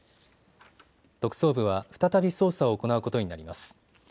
特捜部は再び捜査を行うことになります。